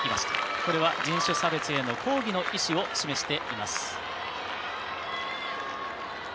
これは人種差別への抗議の意思を示しています。